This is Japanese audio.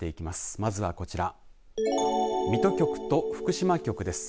まずはこちら水戸局と福島局です。